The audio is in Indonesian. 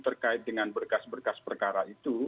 terkait dengan berkas berkas perkara itu